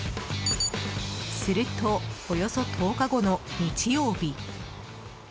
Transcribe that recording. すると、およそ１０日後の日曜日。